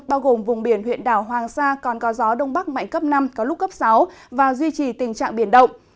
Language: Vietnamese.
bao gồm vùng biển huyện đảo hoàng sa còn có gió đông bắc mạnh cấp năm có lúc cấp sáu và duy trì tình trạng biển động